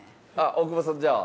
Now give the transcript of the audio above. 大久保さんじゃあ。